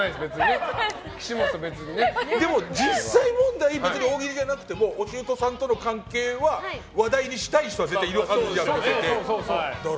実際問題、大喜利じゃなくてもおしゅうとさんとの関係は話題にしたい人は絶対いるわけだから。